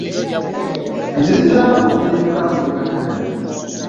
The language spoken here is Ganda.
Enzizi z'amafuta ziri mmeka mu Uganda?